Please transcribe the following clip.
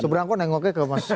seberang kok nengoknya ke mas